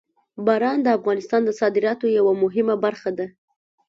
باران د افغانستان د صادراتو یوه مهمه برخه ده.